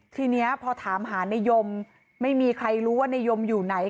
ทีนี้พอถามหาในยมไม่มีใครรู้ว่านายยมอยู่ไหน